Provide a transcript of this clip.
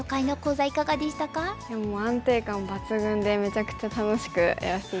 いやもう安定感抜群でめちゃくちゃ楽しくやらせて頂きました。